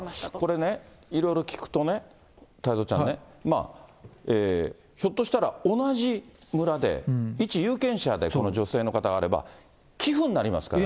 これね、いろいろ聞くとね、太蔵ちゃんね、ひょっとしたら、同じ村で、一有権者で、この女性の方であれば、寄付になりますからね。